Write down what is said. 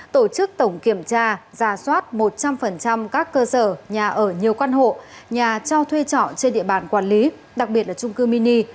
tổ chức tổng kiểm tra giả soát một trăm linh các cơ sở nhà ở nhiều căn hộ nhà cho thuê trọ trên địa bàn quản lý đặc biệt là trung cư mini